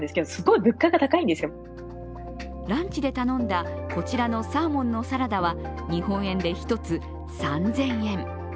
ランチで頼んだこちらのサーモンのサラダは日本円で１つ３０００円。